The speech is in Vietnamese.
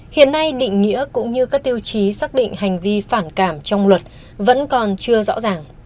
hiện nay định nghĩa cũng như các tiêu chí xác định hành vi phản cảm trong luật vẫn còn chưa rõ ràng